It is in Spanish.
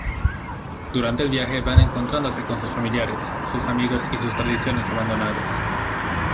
Durante el viaje van encontrándose con sus familiares, sus amigos y sus tradiciones abandonadas.